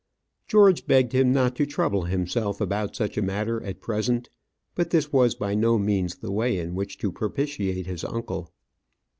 George begged him not to trouble himself about such a matter at present; but this was by no means the way in which to propitiate his uncle.